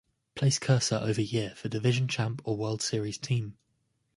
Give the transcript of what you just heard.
Place cursor over year for division champ or World Series team.